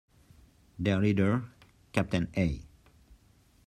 Their leader, Captain A.